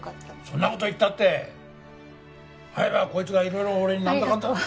そんな事言ったって会えばこいつがいろいろ俺になんだかんだ。